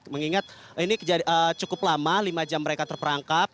mengingat ini cukup lama lima jam mereka terperangkap